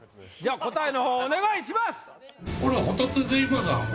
じゃあ答えの方お願いします